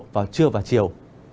vào trưa và chiều